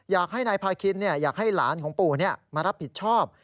อยากให้นายพาคินอยากให้หลานของปู่มารับผิดชอบ